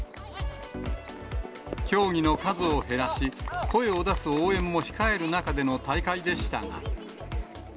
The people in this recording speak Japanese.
競技の数を減らし、声を出す応援も控える中での大会でしたが。